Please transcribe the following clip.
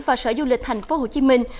với tổng vận tải du lịch thành phố hồ chí minh